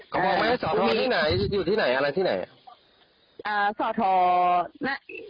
อ๋อเขาบอกไหมสอทอนี่ไหนอยู่ที่ไหนอะไรที่ไหน